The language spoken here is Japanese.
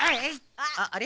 あっあれ？